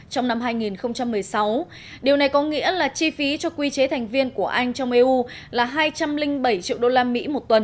trong năm hai nghìn một mươi sáu điều này có nghĩa là chi phí cho quy chế thành viên của anh trong eu là hai trăm linh bảy triệu usd một tuần